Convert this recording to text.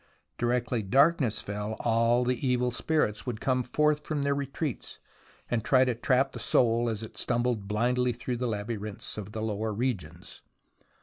Directly darkness fell, all the evil spirits would come forth from their retreats, and try to trap the soul as it stumbled blindly through the laby rinths of the lower regions.